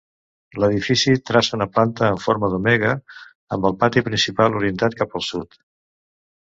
L'edifici traça una planta en forma d'omega amb el pati principal orientat cap al sud.